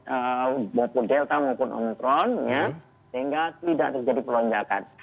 walaupun delta maupun omkron sehingga tidak terjadi perlonjakan